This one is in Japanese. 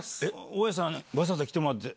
大家さんわざわざ来てもらって。